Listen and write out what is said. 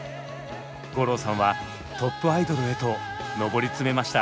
五郎さんはトップアイドルへと上り詰めました。